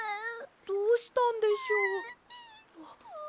どうしたんでしょう。